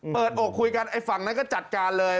อกคุยกันไอ้ฝั่งนั้นก็จัดการเลย